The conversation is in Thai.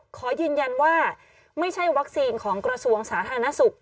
ขอยืนยันว่าไม่ใช่วัคซีนของกระทรวงสาธารณสุข